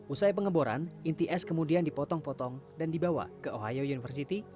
usai pengeboran inti es kemudian dipotong potong dan dibawa ke ohio university